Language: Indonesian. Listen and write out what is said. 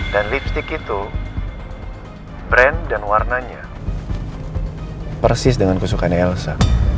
dan lipstick itu brand dan warnanya persis dengan kesukaan elsa